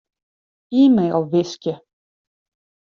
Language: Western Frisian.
E-mail wiskje.